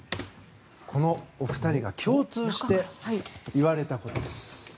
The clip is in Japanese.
このお二人が共通して言われたことです。